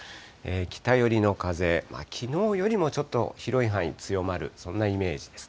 北寄りの風、きのうよりもちょっと広い範囲強まる、そんなイメージです。